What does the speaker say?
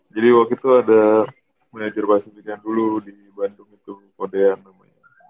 jadi waktu itu ada manajer pasifiknya dulu di bandung itu kodean namanya